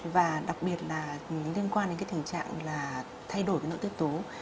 và đặc biệt là liên quan đến cái tình trạng là thay đổi cái nội tiết tố